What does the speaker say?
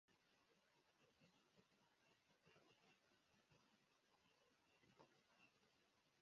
Tə́nə̀ nyinə asì ntǔ kəŋ.